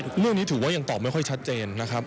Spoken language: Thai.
บ๊วยเหมือนว่ายังตอบไม่ค่อยชัดเจนนะครับ